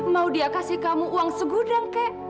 mau dia kasih kamu uang segudang kek